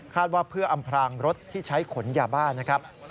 ว่าเพื่ออำพรางรถที่ใช้ขนยาบ้านะครับ